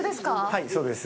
はい、そうです。